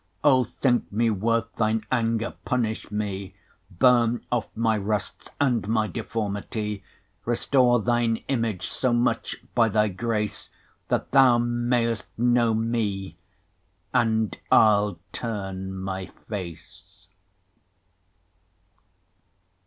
O thinke mee worth thine anger, punish mee, Burne off my rusts, and my deformity, 40 Restore thine Image, so much, by thy grace, That thou may'st know mee, and I'll turne my face.